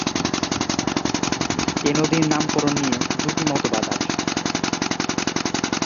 এ নদীর নামকরণ নিয়ে দুটি মতবাদ আছে।